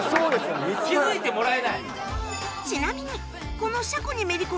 気づいてもらえない。